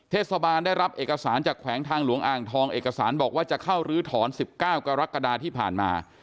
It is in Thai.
เทศบาลได้รับเอกสารจากแขวงทางหลวงอ่างทองเอกสารบอกว่าจะเข้ารื้อถอน๑๙กรกฎาที่ผ่านมา